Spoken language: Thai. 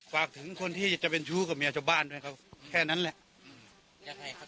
ฝากถึงคนที่จะเป็นชู้กับเมียชาวบ้านเค้านั้นแหละ